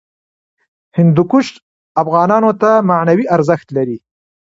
هندوکش افغانانو ته معنوي ارزښت لري.